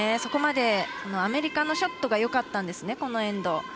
ここまでアメリカのショットがよかったんですね、このエンド。